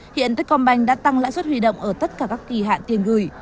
hiện tết còn bành đã tăng lãi suất huy động ở tất cả các kỳ hạn tiền gửi